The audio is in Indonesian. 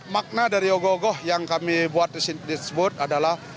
makna dari ogo ogoh yang kami buat disebut adalah